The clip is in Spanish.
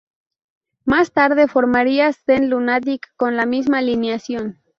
Más tarde formaría Zen Lunatic con la misma alineación.